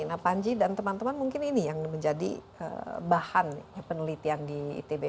nah panji dan teman teman mungkin ini yang menjadi bahan penelitian di itb